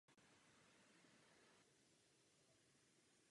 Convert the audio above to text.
Původně bylo osídleno německými protestanty z Heidelbergu v Rýnské Falci.